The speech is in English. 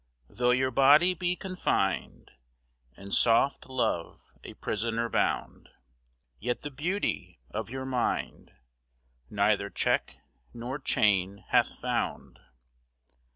Though your body be confined And soft love a prisoner bound, Yet the beauty of your mind Neither check nor chain hath found.